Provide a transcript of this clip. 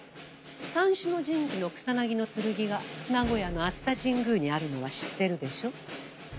三種の神器の草薙の剣が名古屋の熱田神宮にあるのは知ってるでしょ？